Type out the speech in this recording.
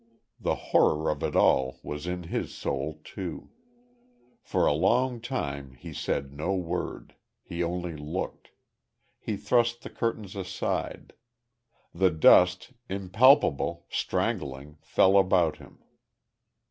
The horror of it all was in his soul, too.... For a long time he said no word. He only looked. He thrust the curtains aside.... The dust, impalpable, strangling, fell about him